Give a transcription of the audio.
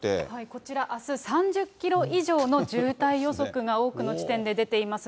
こちら、あす、３０キロ以上の渋滞予測が多くの地点で出ています。